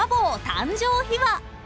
誕生秘話］